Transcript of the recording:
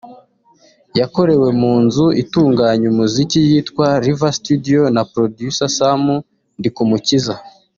yakorewe mu nzu itunganya umuziki yitwa ‘River Studio’ na Producer Sam Ndikumukiza